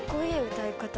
歌い方。